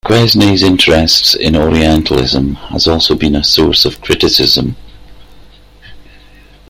Quesnay's interests in Orientalism has also been a source of criticism.